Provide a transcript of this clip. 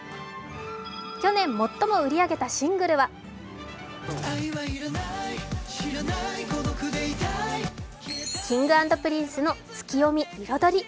去年、最も売り上げたシングルはＫｉｎｇ＆Ｐｒｉｎｃｅの「ツキヨミ／彩り」。